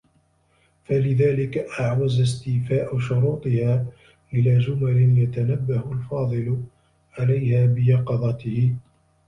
فَلِذَلِكَ أَعْوَزَ اسْتِيفَاءُ شُرُوطِهَا إلَى جُمَلٍ يَتَنَبَّهُ الْفَاضِلُ عَلَيْهَا بِيَقِظَتِهِ